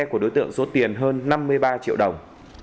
của đối tượng số tiền hơn năm mươi ba triệu đồng